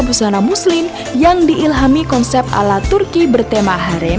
obib menggunakan karya busana muslim yang diilhami konsep ala turki bertema harem